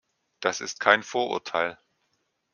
Das ist kein Vorurteil.